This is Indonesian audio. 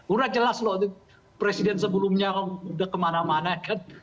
udah jelas loh presiden sebelumnya udah kemana mana kan